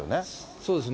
そうですね。